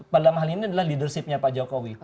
pada malam ini adalah leadership nya pak jokowi